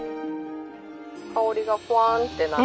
香りがプワーンってなる。